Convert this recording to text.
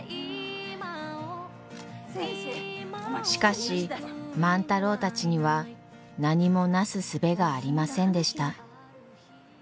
しかし万太郎たちには何もなすすべがありませんでした。